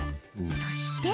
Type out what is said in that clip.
そして。